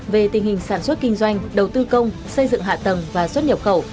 về tình hình sản xuất kinh doanh đầu tư công xây dựng hạ tầng và xuất nhập khẩu